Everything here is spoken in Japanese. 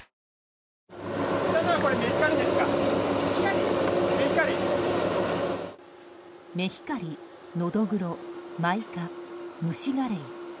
ニトリメヒカリ、ノドグロ、マイカムシガレイ。